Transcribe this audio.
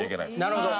なるほど。